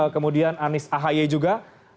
kemudian anies ahaye juga